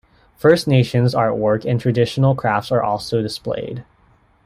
First Nations artwork and traditional crafts are also displayed.